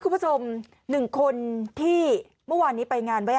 คุณผู้ชม๑คนที่เมื่อวานนี้ไปงานไว้